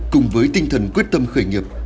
cùng với tinh thần quyết tâm khởi nghiệp